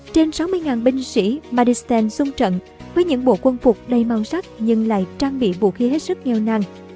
trên sáu mươi binh sĩ madistan sung trận với những bộ quân phục đầy màu sắc nhưng lại trang bị vũ khí hết sức nghèo nàng